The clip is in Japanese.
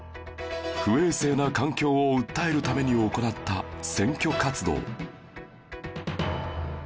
不衛生な環境を訴えるために行った選挙活動